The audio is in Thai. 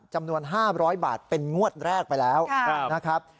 จำนวน๕๐๐บาทเป็นงวดแรกไปแล้วนะครับ